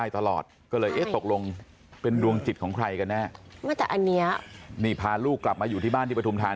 ต้องหาหมอแล้วนะอันตราย